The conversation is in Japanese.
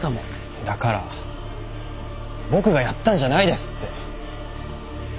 だから僕がやったんじゃないですって。